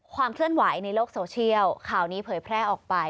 เคลื่อนไหวในโลกโซเชียลข่าวนี้เผยแพร่ออกไป